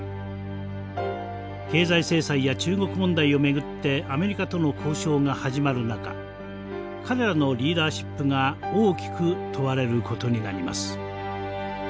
経済制裁や中国問題を巡ってアメリカとの交渉が始まる中彼らのリーダーシップが大きく問われることになります。